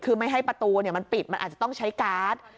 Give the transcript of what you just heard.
คือไม่ให้ประตูมันปิดมันอาจจะต้องใช้การ์ด